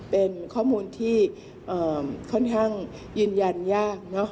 เป็นข้อมูลที่ค่อนข้างยืนยันยาก